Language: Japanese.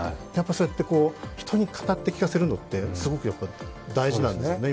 そうやって人に語って聞かせるのってすごく大事なんですよね。